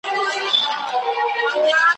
اوس گيله وكړي له غلو كه له قسمته `